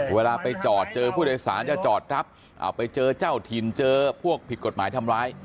เวลาไปจอดเจอผู้โดยสารจะจอดรับเอาไปเจอเจ้าถิ่นเจอพวกผิดกฎหมายทำร้าย